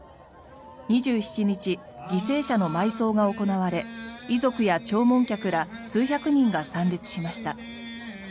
２７日、犠牲者の埋葬が行われ遺族や弔問客ら数百人が参列しました。